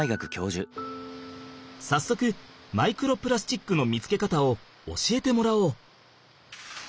さっそくマイクロプラスチックの見つけ方を教えてもらおう。